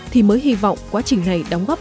thì mới hy vọng quá trình này đóng góp